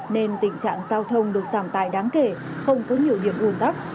nên tình trạng giao thông được giảm tài đáng kể không có nhiều điểm ủn tắc